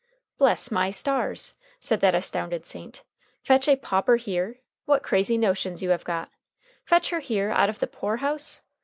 "Bless my stars!" said that astounded saint, "fetch a pauper here? What crazy notions you have got! Fetch her here out of the poor house?